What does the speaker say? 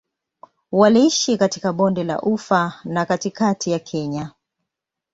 Waliishi katika Bonde la Ufa na katikati ya Kenya.